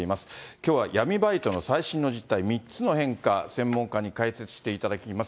きょうは闇バイトの最新の実態、３つの変化、専門家に解説していただきます。